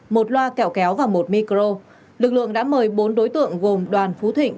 một cửa kéo và một micro lực lượng đã mời bốn đối tượng gồm đoàn phú thịnh